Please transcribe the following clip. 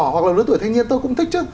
hoặc là lứa tuổi thanh niên tôi cũng thích chứ